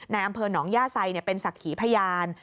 ในอำเภอหนองย่าไทยเนี่ยเป็นศักดิ์ขีพยาน